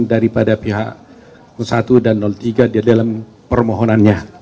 daripada pihak satu dan tiga di dalam permohonannya